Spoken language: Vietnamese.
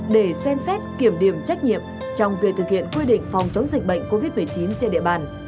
để xem xét kiểm điểm trách nhiệm trong việc thực hiện quy định phòng chống dịch bệnh covid một mươi chín trên địa bàn